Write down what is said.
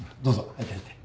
入って入って。